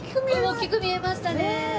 大きく見えましたね。